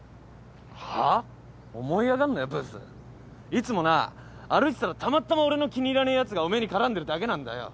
いつもな歩いてたらたまたま俺の気に入らねえやつがおめえに絡んでるだけなんだよ。